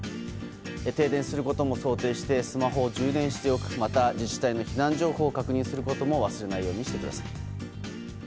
停電することも想定してスマホを充電しておくまた、自治体の避難情報を確認することも忘れないようにしてください。